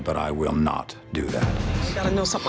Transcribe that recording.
tapi saya tidak akan melakukannya